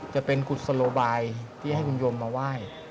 จะเป็นกุศโลบายที่ให้คุณโยมมาไหว้